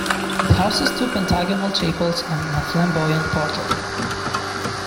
It houses two pentagonal chapels and a flamboyant portal.